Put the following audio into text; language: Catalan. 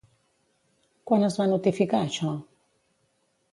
Quan es va notificar això?